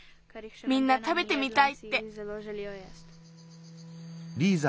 みんなたべてみたいって。